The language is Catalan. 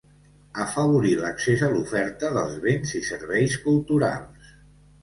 Afavorir l'accés a l'oferta dels béns i serveis culturals.